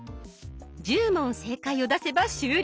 １０問正解を出せば終了。